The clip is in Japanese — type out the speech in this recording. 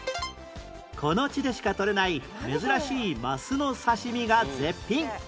この地でしかとれない珍しいマスの刺し身が絶品！